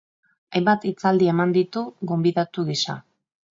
Hainbat hitzaldi eman ditu gonbidatu gisa.